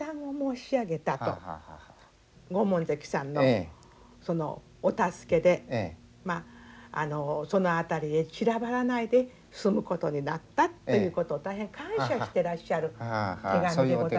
ご門跡さんのそのお助けでその辺りへ散らばらないで済むことになったっていうことを大変感謝してらっしゃる手紙でございますね。